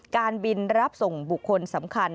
การบินรับส่งบุคคลสำคัญ